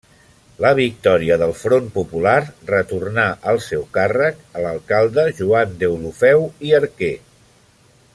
La victòria del Front Popular retornà al seu càrrec a l'alcalde Joan Deulofeu i Arquer.